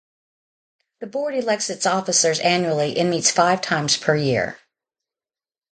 The Board elects its officers annually and meets five times per year.